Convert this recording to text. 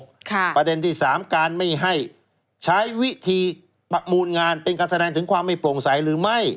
ประเด็นที่สามการไม่ให้ใช้วิธีประมูลงานเป็นการแสดงถึงความไม่โปร่งใสหรือไม่